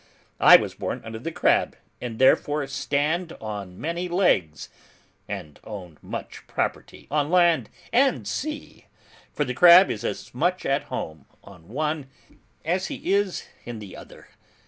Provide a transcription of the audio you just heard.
I was born under the Crab and therefore stand on many legs and own much property on land and sea, for the crab is as much at home on one as he is in the other.